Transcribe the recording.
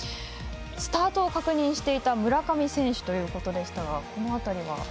スタートを確認していた村上選手ということでしたがこの辺りは？